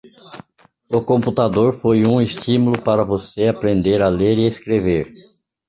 O computador foi um estímulo para você aprender a ler e escrever.